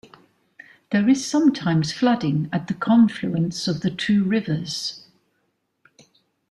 There is sometimes flooding at the confluence of the two rivers.